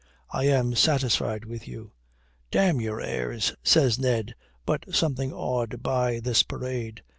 I am satisfied with you." "Damn your airs," says Ned, but something awed by this parade.